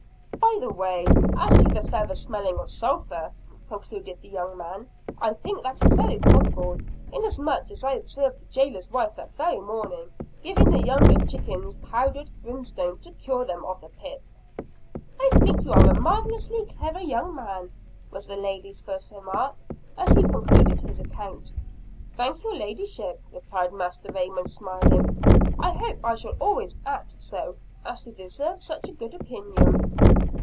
"By the way, as to the feathers smelling of sulphur," concluded the young man, "I think that it is very probable, inasmuch as I observed the jailer's wife that very morning giving the younger chickens powdered brimstone to cure them of the pip." "I think you are a marvelously clever young man," was the lady's first remark as he concluded his account. "Thank your ladyship!" replied Master Raymond smiling. "I hope I shall always act so as to deserve such a good opinion."